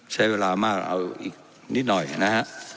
ใช้เวลามากเอานะคะ